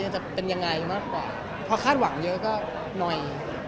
จะเป็นยังไงมากกว่าพอคาดหวังเยอะก็หน่อย